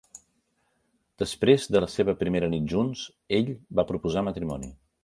Després de la seva primera nit junts, ell va proposar matrimoni.